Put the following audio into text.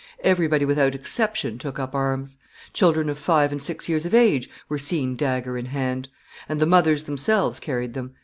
Everybody without exception took up arms. Children of five and six years of age were seen dagger in hand; and the mothers themselves carried them.